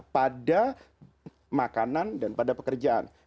pada makanan dan pada pekerjaan